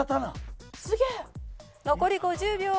残り５０秒。